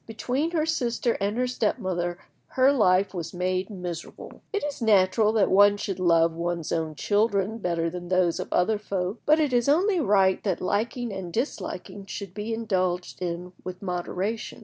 Between her sister and her step mother her life was made miserable. It is natural that one should love one's own children better than those of other folk; but it is only right that liking and disliking should be indulged in with moderation.